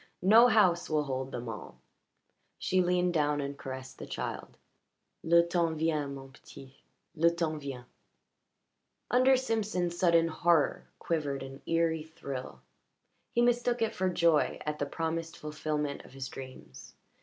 No house will hold them all." She leaned down and caressed the child. "Le temps vient, mon petit. Le temps vient." Under Simpson's sudden horror quivered an eerie thrill. He mistook it for joy at the promised fulfilment of his dreams.